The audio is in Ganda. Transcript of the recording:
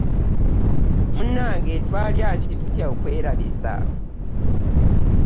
Munnange twali anti tutya okwerabisa.